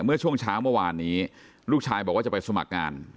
เมื่อช่วงเช้าเมื่อวานนี้ลูกชายบอกว่าจะไปสมัครงาน